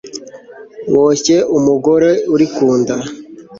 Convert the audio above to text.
boshye umugore uri ku nda